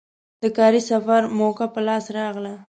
د کاري سفر موکه په لاس راغله.